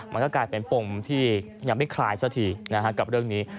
มันก็กลายเป็นปมที่ยังไม่คลายซะทีกับเรื่องนี้